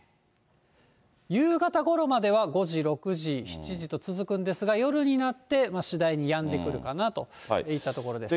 夕方ごろまでは５時、６時、７時と続くんですが、夜になって次第にやんでくるかなといったところですね。